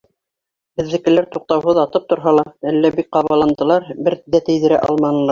Беҙҙекеләр туҡтауһыҙ атып торһа ла, әллә бик ҡабаландылар, бер ҙә тейҙерә алманылар.